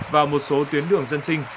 và một số tuyến đường dân sinh